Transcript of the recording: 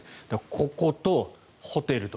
こことホテルと。